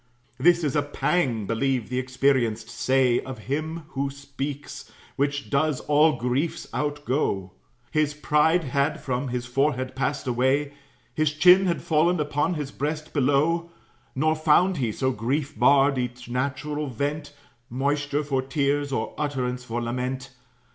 This is a pang, believe the experienced say Of him who speaks, which does all griefs outgo. His pride had from his forehead passed away, His chin had fallen upon his breast below; Nor found he, so grief barred each natural vent, Moisture for tears, or utterance for lament.